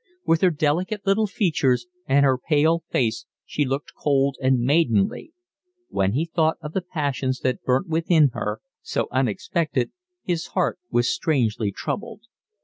With her delicate little features and her pale face she looked cold and maidenly. When he thought of the passions that burnt within her, so unexpected, his heart was strangely troubled.